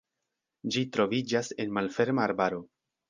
Ĝi troviĝas en malferma arbaro.